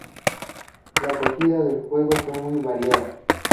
La acogida del juego fue muy variada.